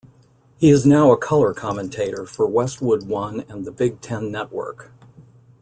He is now a color commentator for Westwood One and the Big Ten Network.